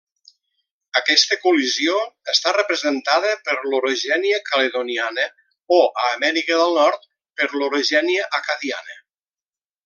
Aquesta col·lisió està representada per l'orogènia caledoniana o a Amèrica del nord per l'orogènia acadiana.